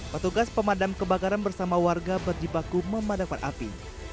petugas pemadam kebakaran bersama warga berjibaku memadamkan api